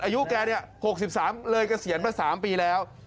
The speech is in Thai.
อายุแกเนี่ย๖๓เลยเกษียณมา๓ปีแล้ว